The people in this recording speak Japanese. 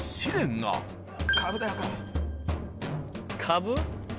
かぶ？